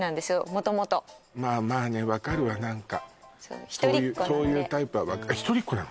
元々まあまあねわかるわ何かそういうそういうタイプは１人っ子なの？